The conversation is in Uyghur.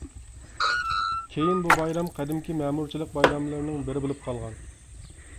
كېيىن بۇ بايرام قەدىمكى مەمۇرچىلىق بايراملىرىنىڭ بىرى بولۇپ قالغان.